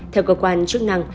theo cơ quan chức năng